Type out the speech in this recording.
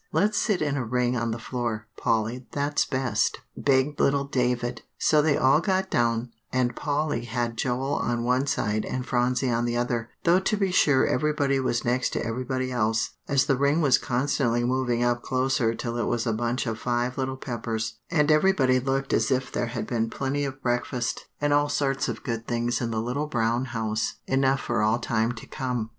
"Let's sit in a ring on the floor, Polly, that's best," begged little David. So they all got down, and Polly had Joel on one side and Phronsie on the other; though to be sure everybody was next to everybody else, as the ring was constantly moving up closer till it was a bunch of Five Little Peppers; and everybody looked as if there had been plenty of breakfast, and all sorts of good things in the Little Brown House enough for all time to come.